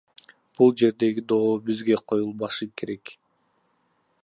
Бул жердеги доо бизге коюлбашы керек.